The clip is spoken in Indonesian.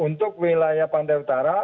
untuk wilayah pantai utara